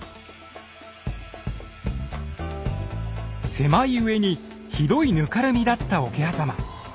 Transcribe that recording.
狭いうえにひどいぬかるみだった桶狭間。